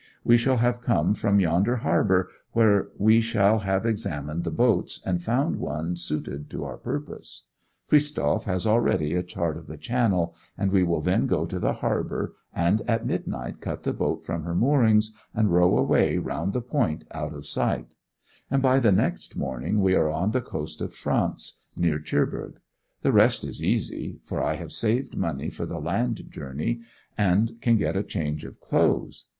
We shall have come from yonder harbour, where we shall have examined the boats, and found one suited to our purpose. Christoph has already a chart of the Channel, and we will then go to the harbour, and at midnight cut the boat from her moorings, and row away round the point out of sight; and by the next morning we are on the coast of France, near Cherbourg. The rest is easy, for I have saved money for the land journey, and can get a change of clothes.